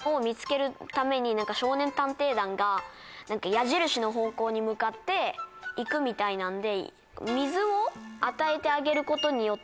矢印の方向に向かっていくみたいなんで。